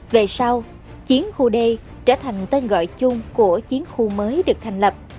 về sau chiến khu d trở thành tên gọi chung của chiến khu mới được thành lập